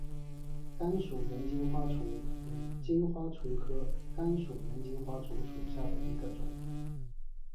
甘薯猿金花虫为金花虫科甘薯猿金花虫属下的一个种。